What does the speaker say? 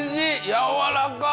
やわらか！